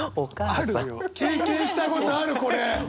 あるよ経験したことあるこれ。